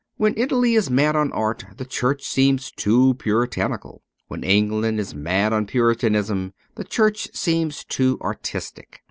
When Italy is mad on art the Church seems too Puritanical ; when England is mad on Puritanism the Church seems too artistic.